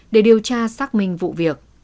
để điều tra xác minh vụ việc